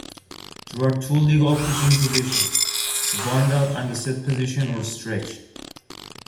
There are two legal pitching positions, the "windup" and the set position or "stretch".